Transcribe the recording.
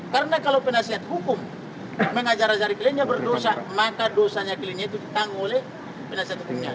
karena kalau penasihat hukum mengajar ajari kelindian berdosa maka dosanya kelindian itu ditanggung oleh penasihat hukumnya